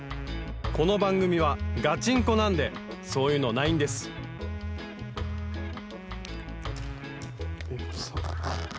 この番組はガチンコなんでそういうのないんですお！